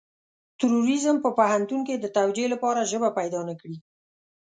تروريزم په پوهنتون کې د توجيه لپاره ژبه پيدا نه کړي.